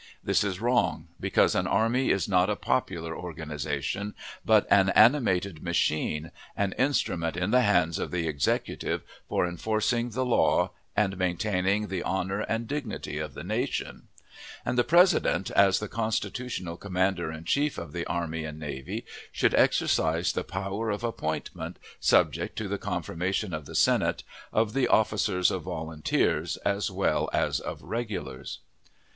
This is wrong, because an army is not a popular organization, but an animated machine, an instrument in the hands of the Executive for enforcing the law, and maintaining the honor and dignity of the nation; and the President, as the constitutional commander in chief of the army and navy, should exercise the power of appointment (subject to the confirmation of the Senate) of the officers of "volunteers," as well as of "regulars."